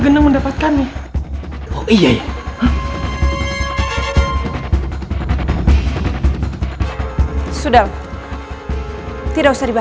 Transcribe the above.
karena yang meredam belenggu khusus itu adalah kesaktian